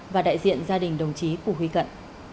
và đại diện gia đình đồng chí của huy cận